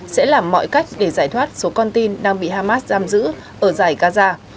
sẽ làm mọi cách để giải thoát số con tin đang bị hamas giam giữ ở giải gaza